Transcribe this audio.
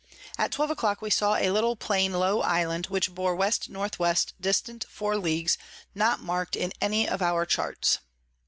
At twelve a clock we saw a little plain low Island, which bore W N W. dist. 4 Ls. not mark'd in any of our Charts.